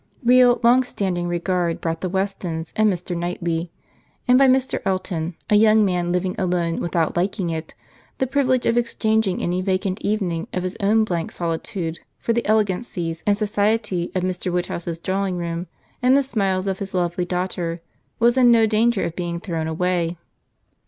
Real, long standing regard brought the Westons and Mr. Knightley; and by Mr. Elton, a young man living alone without liking it, the privilege of exchanging any vacant evening of his own blank solitude for the elegancies and society of Mr. Woodhouse's drawing room, and the smiles of his lovely daughter, was in no danger of being thrown away.